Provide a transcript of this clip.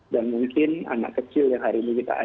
dan mungkin anak kecil yang hari ini dinyatakan